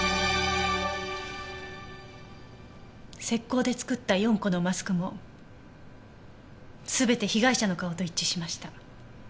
石膏で作った４個のマスクも全て被害者の顔と一致しました。